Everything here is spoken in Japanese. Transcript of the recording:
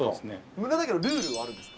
村田家のルールはあるんですか？